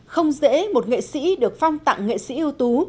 không dễ một nghệ sĩ được phong tặng nghệ sĩ ưu tú